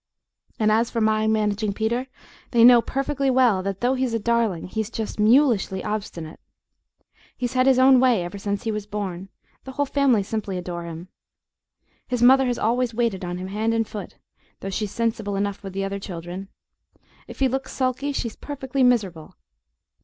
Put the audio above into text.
And as for my managing Peter, they know perfectly well that, though he's a darling, he's just mulishly obstinate. He's had his own way ever since he was born; the whole family simply adore him. His mother has always waited on him hand and foot, though she's sensible enough with the other children. If he looks sulky she is perfectly miserable.